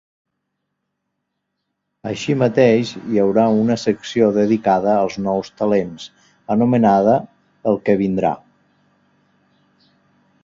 Així mateix, hi haurà una secció dedicada als nous talents, anomenada El que vindrà.